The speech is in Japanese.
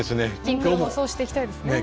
「きんくる」もそうしていきたいですね。